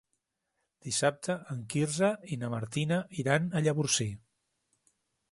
Dissabte en Quirze i na Martina iran a Llavorsí.